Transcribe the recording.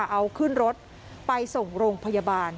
เอาขึ้นรถไปส่งโรงพยาบาล